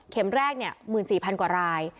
เข็มแรก๑๔๐๐๐กว่าราย